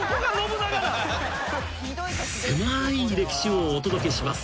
［せまい歴史をお届けします］